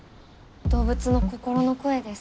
動物の心の声です。